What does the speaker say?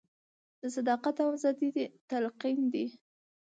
د صداقت او ازادیو تلقین دی.